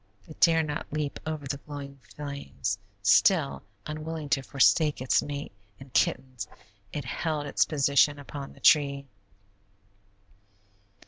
It dare not leap over the glowing flames; still, unwilling to forsake its mate and kittens, it held its position upon the tree.